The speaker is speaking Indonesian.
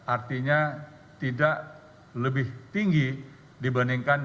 artinya tidak lebih tinggi dibandingkan